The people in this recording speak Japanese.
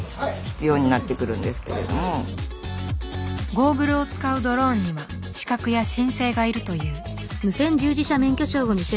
ゴーグルを使うドローンには資格や申請がいるという。